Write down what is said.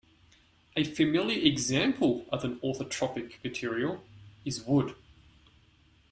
A familiar example of an orthotropic material is wood.